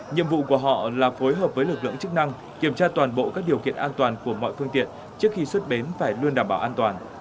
nhiệm vụ của họ là phối hợp với lực lượng chức năng kiểm tra toàn bộ các điều kiện an toàn của mọi phương tiện trước khi xuất bến phải luôn đảm bảo an toàn